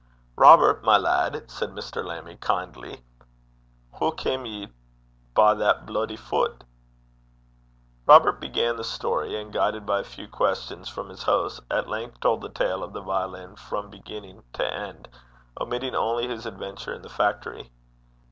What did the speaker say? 'Robert, my lad,' said Mr. Lammie, kindly, 'hoo cam ye by that bluidy fut?' Robert began the story, and, guided by a few questions from his host, at length told the tale of the violin from beginning to end, omitting only his adventure in the factory.